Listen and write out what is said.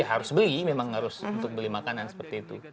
harus beli memang harus untuk beli makanan seperti itu